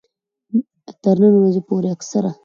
تر نن ورځې پورې اکثره